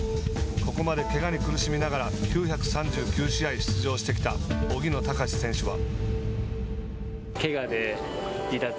ここまで、けがに苦しみながら９３９試合出場してきた荻野貴司選手は。